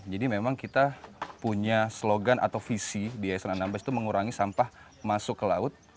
jadi memang kita punya slogan atau visi di yayasan anambas itu mengurangi sampah masuk ke laut